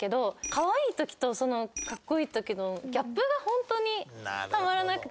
かわいい時とかっこいい時のギャップがホントにたまらなくて。